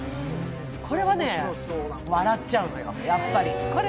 これはね、笑っちゃうのよ、やっぱり。